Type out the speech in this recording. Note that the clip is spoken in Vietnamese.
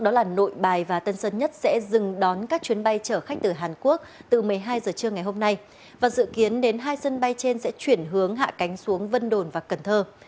đó là nội bài và tân sơn nhất sẽ dừng đón các chuyến bay chở khách từ hàn quốc từ một mươi hai giờ trưa ngày hôm nay và dự kiến đến hai sân bay trên sẽ chuyển hướng hạ cánh xuống vân đồn và cần thơ